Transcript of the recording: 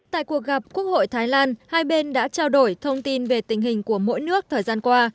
tại cuộc gặp quốc hội thái lan hai bên đã trao đổi thông tin về tình hình của mỗi nước thời gian qua